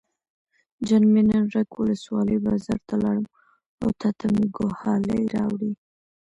جان مې نن رګ ولسوالۍ بازار ته لاړم او تاته مې ګوښالي راوړې.